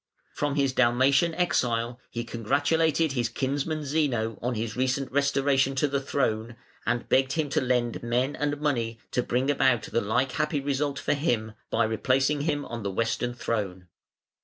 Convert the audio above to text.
From his Dalmatian exile he congratulated his kinsman Zeno on his recent restoration to the throne, and begged him to lend men and money to bring about the like happy result for him by replacing him on the Western throne.